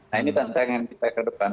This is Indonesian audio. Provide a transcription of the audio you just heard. nah ini tantangan kita ke depan